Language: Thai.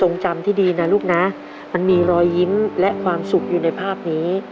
จำที่ดีนะลูกนะมันมีรอยยิ้มและความสุขอยู่ในภาพนี้